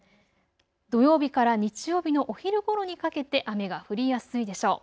土曜日から日曜日のお昼ごろにかけて雨が降りやすいでしょう。